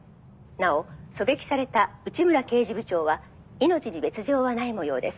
「なお狙撃された内村刑事部長は命に別条はない模様です」